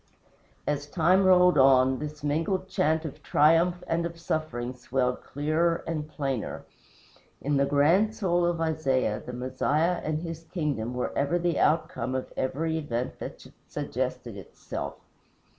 As time rolled on, this mingled chant of triumph and of suffering swelled clearer and plainer. In the grand soul of Isaiah, the Messiah and his kingdom were ever the outcome of every event that suggested itself.